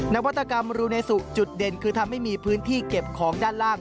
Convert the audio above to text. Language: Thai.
นวัตกรรมรูเนสุจุดเด่นคือทำให้มีพื้นที่เก็บของด้านล่าง